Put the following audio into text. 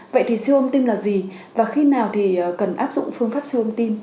vậy thì siêu âm tim là gì và khi nào cần áp dụng phương pháp siêu âm tim